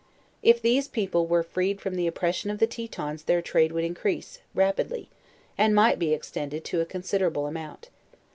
If these people were freed from the op pression of the Tetons their trade would increase rappidly, and might be extended to a considerable amount.